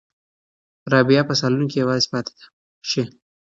رابعه به په صالون کې یوازې پاتې شي.